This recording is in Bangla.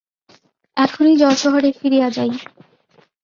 এখনি যশােহরে ফিরিয়া যাই।